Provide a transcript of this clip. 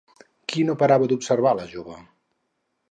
Qui no parava d'observar a la jove?